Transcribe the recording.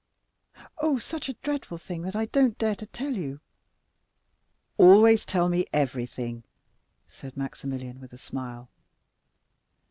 "Oh, such a dreadful thing, that I don't dare to tell you." "Always tell me everything," said Maximilian with a smile.